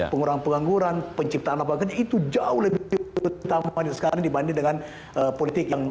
pengurangan pengangguran penciptaan lembaganya itu jauh lebih utamanya sekarang dibanding dengan politik yang